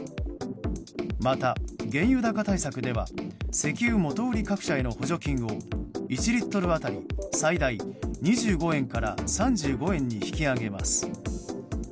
また、原油高対策では石油元売り各社への補助金を１リットル当たり最大２５円から３５円に引き上げます。